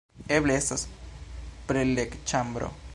Eble estas preleg-ĉambro